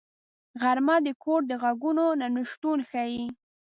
غرمه د کور د غږونو نه شتون ښيي